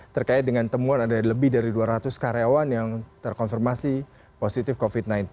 terkait dengan temuan ada lebih dari dua ratus karyawan yang terkonfirmasi positif covid sembilan belas